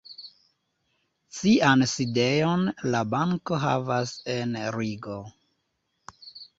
Sian sidejon la banko havas en Rigo.